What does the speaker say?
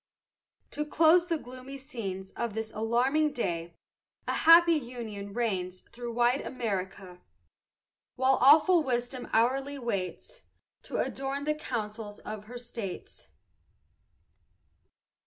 To close the gloomy scenes Of this alarming day, A happy union reigns Through wide America. While awful Wisdom hourly waits To adorn the councils of her states.